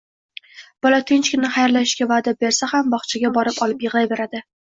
Bola tinchgina xayrlashishga vaʼda bersa ham bog‘chaga borib olib yig‘layveradi